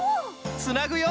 つなぐよ！